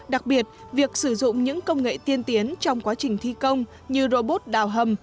đặc biệt việc sử dụng những công nghệ tiên tiến trong quá trình thi công như robot đào hầm